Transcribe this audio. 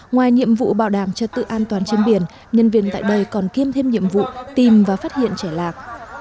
ngoài nhiệm vụ bảo đảm trật tự an toàn trên biển nhân viên tại đây còn kiêm thêm nhiệm vụ tìm và phát hiện trẻ lạc